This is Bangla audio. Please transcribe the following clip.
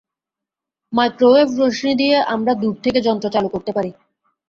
মাইক্রোওয়েভ রশ্মি দিয়ে আমরা দূর থেকে যন্ত্র চালু করতে পারি।